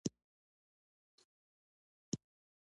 یوه جلسه را بولي.